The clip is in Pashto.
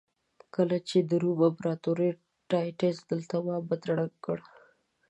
کله چې د روم امپراتور ټایټس دلته معبد ړنګ کړ.